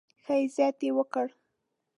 ښه عزت یې وکړ.